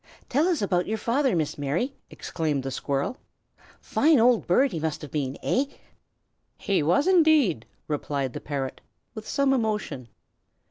"Tell us about your father, Miss Mary!" exclaimed the squirrel. "Fine old bird he must have been, eh?" "He was, indeed!" replied the parrot, with some emotion.